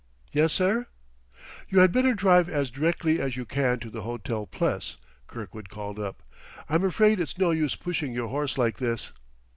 "Yessir?" "You had better drive as directly as you can to the Hotel Pless," Kirkwood called up. "I'm afraid it's no use pushing your horse like this."